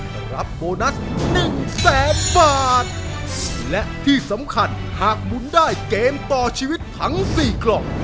รับโบนัสหนึ่งแสนบาทและที่สำคัญหากหมุนได้เกมต่อชีวิตทั้งสี่กล่อง